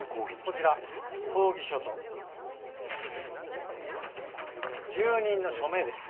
こちら抗議書と住人の署名です。